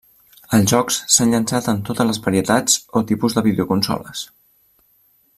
Els jocs s'han llançat en totes les varietats o tipus de videoconsoles.